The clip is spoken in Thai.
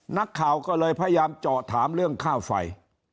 นักข่าวก็เลยพยายามเจาะถามเรื่องค่าไฟ